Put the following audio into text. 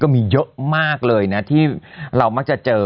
มีเยอะมากเลยนะที่เรามักจะเจอ